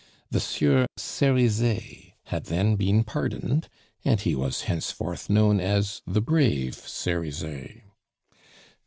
The Sieur Cerizet had then been pardoned, and he was henceforth known as the Brave Cerizet.